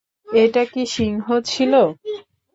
এটা কি সিংহ ছিল?